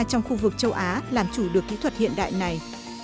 trong khu vực châu á làm chủ được kỹ thuật hiện đại này